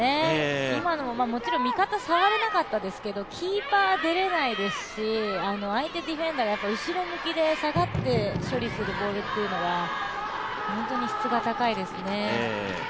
今のももちろん味方触れなかったですけどキーパー出れないですし相手ディフェンダーが後ろ向きで下がって処理するボールというのは本当に質が高いですね。